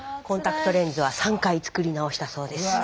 コンタクトレンズは３回作り直したそうです。